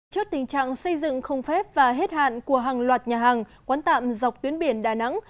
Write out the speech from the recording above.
trước tình trạng xây dựng không phép và hết hạn của hàng loạt nhà hàng quán tạm dọc tuyến biển đà nẵng